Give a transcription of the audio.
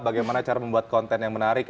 bagaimana cara membuat konten yang menarik